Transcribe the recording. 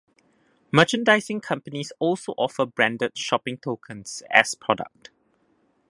Merchandising companies also offer branded shopping tokens as a product.